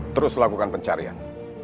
terus lakukan pencarian